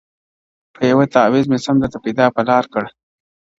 • په یوه تعویذ مي سم درته پر لار کړ -